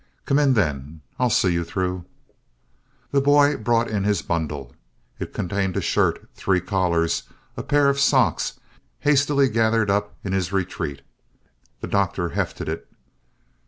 "Come in, then. I'll see you through." The boy brought in his bundle. It contained a shirt, three collars, and a pair of socks, hastily gathered up in his retreat. The Doctor hefted it.